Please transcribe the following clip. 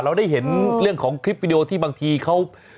เราได้เห็นเรื่องของคลิปวิดีโอที่บางทีเขา